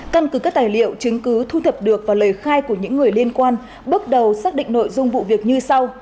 căn cứ các tài liệu chứng cứ thu thập được và lời khai của những người liên quan bước đầu xác định nội dung vụ việc như sau